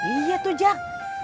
iya tuh jak